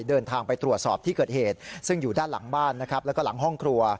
เดินทางไปตรวจสอบที่เกิดเหตุซึ่งอยู่ด้านหลังบ้านนะครับแล้วก็หลังห้องครัว